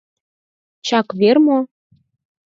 Чак вер мо?